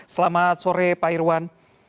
selamat sore pak irwan